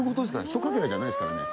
ひとかけらじゃないですからね。